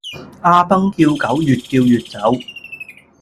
阿崩叫狗越叫越走